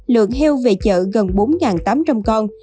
lượng heo về chợ gần bốn tám trăm linh con